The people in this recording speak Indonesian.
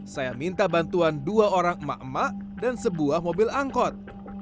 saya minta bantuan dua orang emak emak dan sebuah mobil angkot